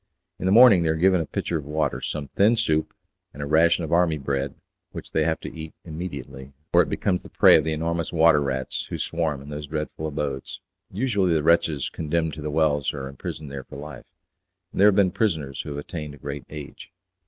In the morning they are given a pitcher of water, some thin soup, and a ration of army bread which they have to eat immediately, or it becomes the prey of the enormous water rats who swarm in those dreadful abodes. Usually the wretches condemned to The Wells are imprisoned there for life, and there have been prisoners who have attained a great age.